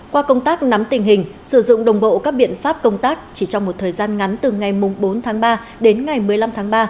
qua công tác nắm tình hình sử dụng đồng bộ các biện pháp công tác chỉ trong một thời gian ngắn từ ngày bốn tháng ba đến ngày bốn tháng năm